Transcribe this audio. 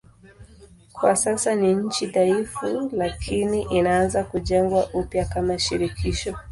Kwa sasa ni nchi dhaifu lakini inaanza kujengwa upya kama shirikisho.